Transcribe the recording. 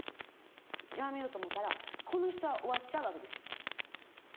やめよう」と思ったらこの人は終わっちゃうわけですやん。